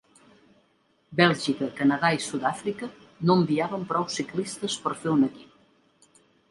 Bèlgica, Canadà i Sud-àfrica no enviaven prou ciclistes per fer un equip.